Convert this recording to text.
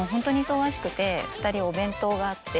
２人お弁当があって。